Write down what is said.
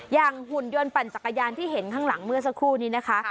หุ่นยนต์ปั่นจักรยานที่เห็นข้างหลังเมื่อสักครู่นี้นะคะ